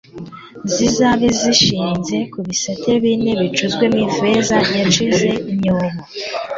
zizabe zishinze ku bisate bine bicuzwe mu ifeza biciyemo imyobo